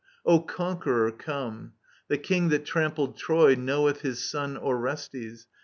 O conqueror, come ! The king that trampled Troy Knoweth his Son Orestes.